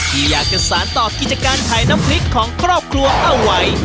ที่อยากจะสารต่อกิจการขายน้ำพริกของครอบครัวเอาไว้